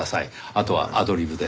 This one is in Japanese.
あとはアドリブで。